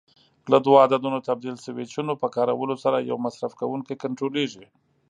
له دوو عددونو تبدیل سویچونو په کارولو سره یو مصرف کوونکی کنټرولېږي.